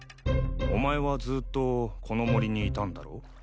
お前はずーっとこの森にいたんだろ？